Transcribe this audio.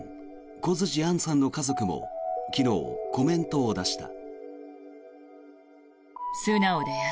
小槌杏さんの家族も昨日、コメントを出した。